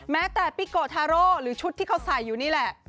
แม้แต่ปิโกทาโร่หรือชุดที่เขาใส่อยู่นี่แหละ